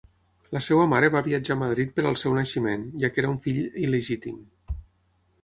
La seva mare va viatjar a Madrid per al seu naixement, ja que era un fill il·legítim.